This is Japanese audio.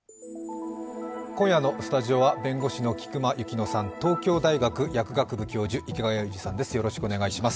今夜のスタジオは弁護士の菊間千乃さん、東京大学薬学部教授、池谷裕二さんです。